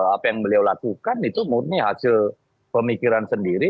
apa yang beliau lakukan itu murni hasil pemikiran sendiri